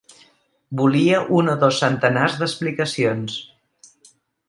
Volia un o dos centenars d'explicacions.